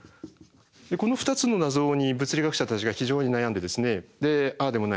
この２つの謎に物理学者たちが非常に悩んでああでもない